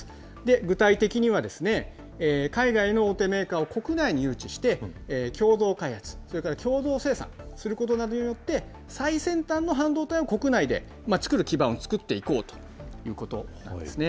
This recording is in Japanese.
具体的には、海外の大手メーカーを国内に誘致して共同開発、それから共同生産することなど、最先端の半導体を国内で作る基盤を作っていこうということなんですね。